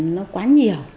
nó quá nhiều